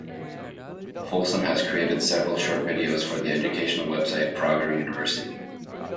Folsom has created several short videos for the educational website Prager University.